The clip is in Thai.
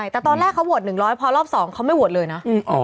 แต่ตอนแรกเขาโหวต๑๐๐พอรอบ๒เขาไม่โหวตเลยนะ